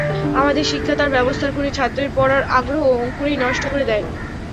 আমাদের শিক্ষা তার ব্যবস্থার গুণে ছাত্রের পড়ার আগ্রহ অঙ্কুরেই নষ্ট করে দেয়।